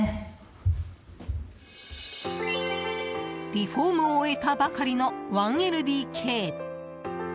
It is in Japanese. リフォームを終えたばかりの１ＬＤＫ。